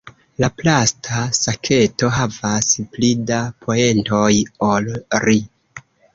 La plasta saketo havas pli da poentoj ol ri.